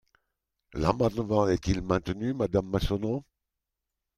L’amendement est-il maintenu, madame Massonneau?